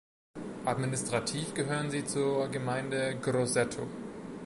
Administrativ gehören sie zur Gemeinde Grosseto.